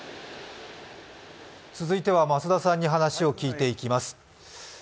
続いては増田さんに話を聞いていきます。